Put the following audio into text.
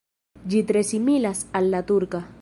Ĝi tre similas al la turka.